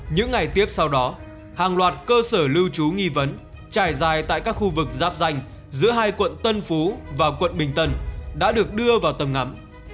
những ngày tiếp sau đó hàng loạt cơ sở lưu trú nghi vấn trải dài tại các khu vực giáp danh giữa hai quận tân phú và quận bình tân đã được đưa vào tầm ngắm